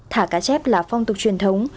thả cá chép là phong tục truyền thống